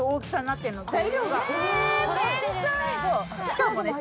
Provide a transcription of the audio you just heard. しかもね。